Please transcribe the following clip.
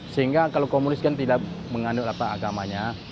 sehingga kalau komunis kan tidak menganut apa agamanya